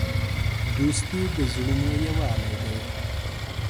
دوستي د زړونو یووالی دی.